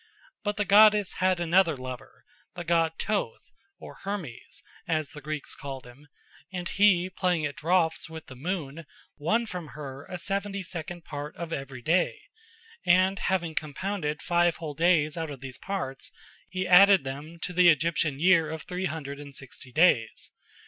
But the goddess had another lover, the god Thoth or Hermes, as the Greeks called him, and he playing at draughts with the moon won from her a seventy second part of every day, and having compounded five whole days out of these parts he added them to the Egyptian year of three hundred and sixty days.